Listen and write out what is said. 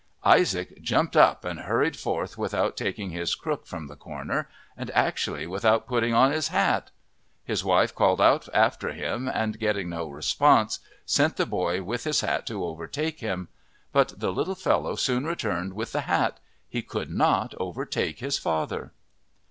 Isaac jumped up and hurried forth without taking his crook from the corner and actually without putting on his hat! His wife called out after him, and getting no response sent the boy with his hat to overtake him. But the little fellow soon returned with the hat he could not overtake his father!